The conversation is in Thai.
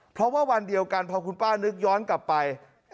เพราะว่าวันเดียวกันพอคุณป้านึกย้อนกลับไป